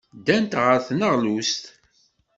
Ddant ɣer tneɣlust.